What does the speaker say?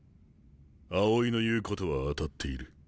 青井の言うことは当たっている。